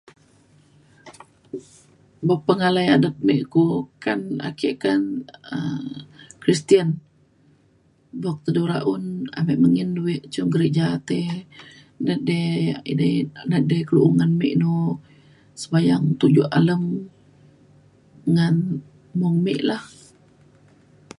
buk pengalai adet me ku kan ake kan um Christian buk te du ra un ame menggin wek cung gerija te ngan dei yak edei na’at dei kelo ngan me no sebayang tujok alem ngan mung me lah.